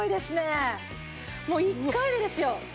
もう１回でですよ。